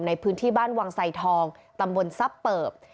ในพื้นที่บ้านวังไสทองตำบลทรัพย์เปิบ